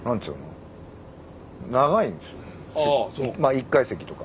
１階席とか。